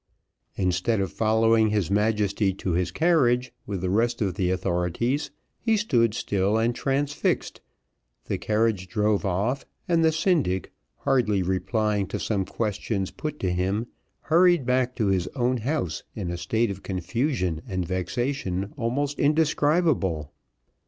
Instead of following his Majesty to his carriage, with the rest of the authorities, he stood still and transfixed, the carriage drove off, and the syndic hardly replying to some questions put to him, hurried back to his own house in a state of confusion and vexation almost indescribable.